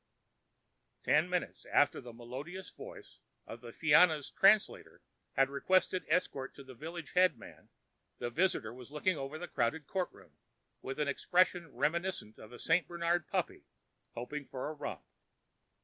Ten minutes after the melodious voice of the Fianna's translator had requested escort to the village headman, the visitor was looking over the crowded courtroom with an expression reminiscent of a St. Bernard puppy hoping for a romp.